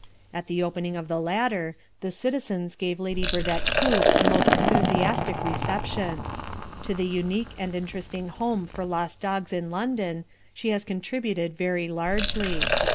At the opening of the latter, the citizens gave Lady Burdett Coutts a most enthusiastic reception. To the unique and interesting home for lost dogs in London, she has contributed very largely.